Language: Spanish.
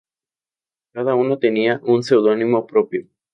Cada uno tenía un seudónimo propio.